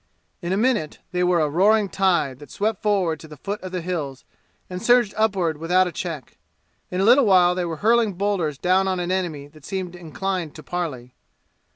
In a minute they were a roaring tide that swept forward to the foot of the hills and surged upward without a check. In a little while they were hurling boulders down on an enemy that seemed inclined to parley.